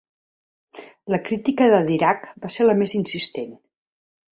La crítica de Dirac va ser la més insistent.